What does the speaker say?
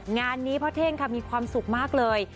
งานนี้พ่อเท่งค่ะมีความสุขมากเลย